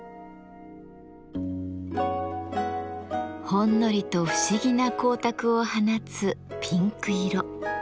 ほんのりと不思議な光沢を放つピンク色。